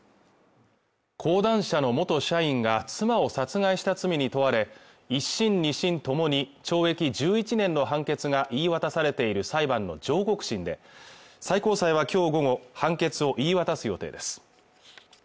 講談社の元社員が妻を殺害した罪に問われ１審２審ともに懲役１１年の判決が言い渡されている裁判の上告審で最高裁は今日午後判決を言い渡す予定です